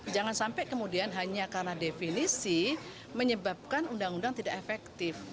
jangan sampai kemudian hanya karena definisi menyebabkan undang undang tidak efektif